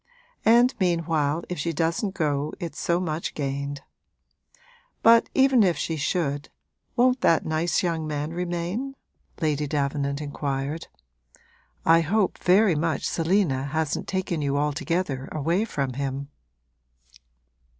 And meanwhile if she doesn't go it's so much gained. But even if she should, won't that nice young man remain?' Lady Davenant inquired. 'I hope very much Selina hasn't taken you altogether away from him.'